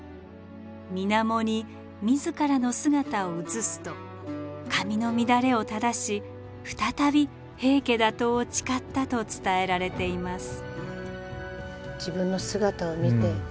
水面に自らの姿を映すと髪の乱れを正し再び平家打倒を誓ったと伝えられています。